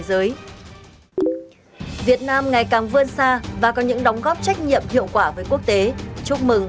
giới việt nam ngày càng vươn xa và có những đóng góp trách nhiệm hiệu quả với quốc tế chúc mừng